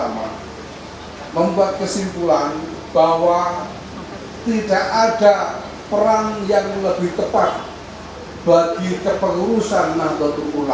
membuat kesimpulan bahwa tidak ada perang yang lebih tepat bagi kepengurusan nadatul ulama